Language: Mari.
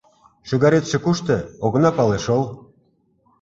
Шӱгаретше кушто, огына пале шол...